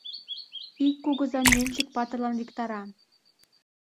Ик кугыза Нӧнчык-патырлан виктара: